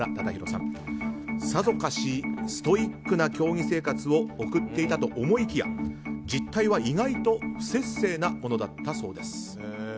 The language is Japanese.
さぞかしストイックな競技生活を送っていたと思いきや実態は意外と不摂生なものだったそうです。